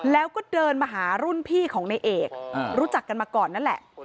แล้วก็เดินมาหารุ่นพี่ของในเอกรู้จักกันมาก่อนนั่นแหละ